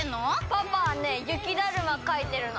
パパはねゆきだるまかいてるの。